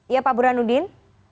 iya pak burhanuddin